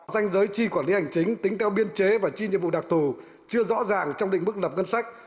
danh giới chi quản lý hành chính tính theo biên chế và chi nhiệm vụ đặc thù chưa rõ ràng trong định mức lập ngân sách